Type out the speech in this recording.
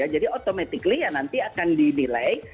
jadi otomatis nanti akan didilai